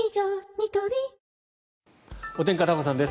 ニトリお天気、片岡さんです。